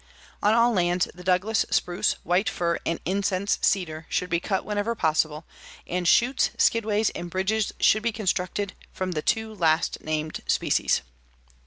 "On all lands, the Douglas spruce, white fir and incense cedar should be cut whenever possible, and chutes, skidways and bridges should be constructed from the two last named species."